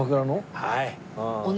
はい。